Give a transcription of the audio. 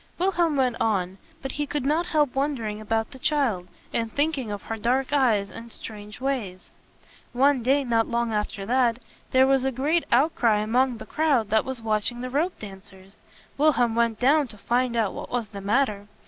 Wilhelm went on; but he could not help wondering about the child, and thinking of her dark eyes and strange ways. One day not long after that, there was a great outcry among the crowd that was watching the rope dan cers. Wilhelm went down to find out what was the matter.